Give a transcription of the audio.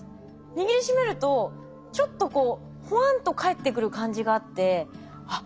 握りしめるとちょっとこうホワンと返ってくる感じがあってあっ